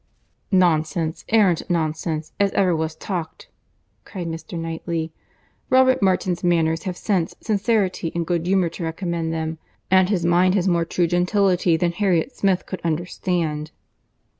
"Nonsense, errant nonsense, as ever was talked!" cried Mr. Knightley.—"Robert Martin's manners have sense, sincerity, and good humour to recommend them; and his mind has more true gentility than Harriet Smith could understand."